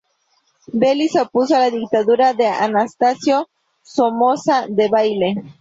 Belli se opuso a la dictadura de Anastasio Somoza Debayle.